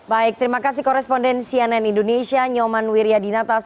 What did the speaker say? baik terima kasih koresponden cnn indonesia nyoman wiryadinatas